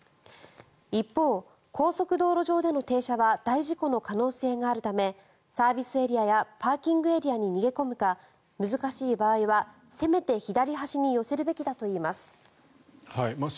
一方、高速道路上での停車は大事故の可能性があるためサービスエリアやパーキングエリアに逃げ込むか難しい場合は、せめて左端に寄せるべきだといいます。